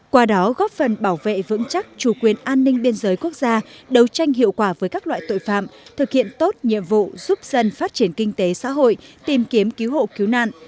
qua đó góp phần bảo vệ vững chắc chủ quyền an ninh biên giới quốc gia đấu tranh hiệu quả với các loại tội phạm thực hiện tốt nhiệm vụ giúp dân phát triển kinh tế xã hội tìm kiếm cứu hộ cứu nạn